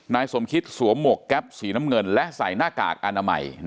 นายสมคิตสวมหมวกแก๊ปสีน้ำเงินและใส่หน้ากากอนามัย